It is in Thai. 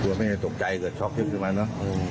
กลัวแม่ตกใจเกิดช็อกเยอะกว่านั้นนะ